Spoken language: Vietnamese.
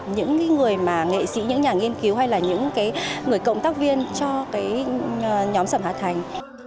những người mà nghệ sĩ những nhà nghiên cứu hay là những người cộng tác viên cho nhóm sầm hà thành